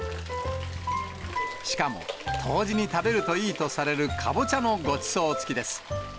しかも冬至に食べるといいとされるかぼちゃのごちそう付きです。